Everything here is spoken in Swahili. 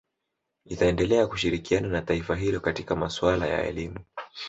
Itaendelea kushirikiana na taifa hilo katika maswala ya elimu